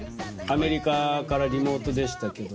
アメリカからリモートでしたけど。